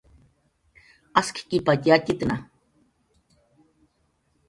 Askkipatx yatxitna